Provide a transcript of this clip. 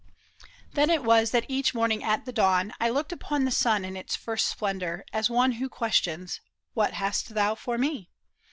Then was it that each morning at the dawn I looked upon the sun in its first splendor As one who questions, " What hast thou for me